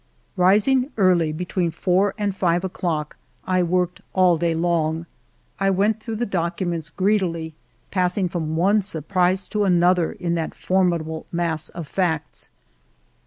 Rising early, between four and five o'clock, I worked all day long. I went through the docu ments greedily, passing from one surprise to another in that formidable mass of facts.